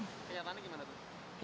kenyataannya gimana tuh